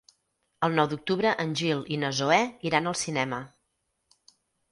El nou d'octubre en Gil i na Zoè iran al cinema.